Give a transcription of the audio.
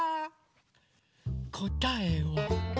こたえは。